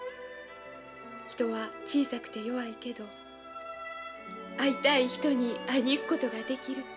人は小さくて弱いけど会いたい人に会いに行くことができるって。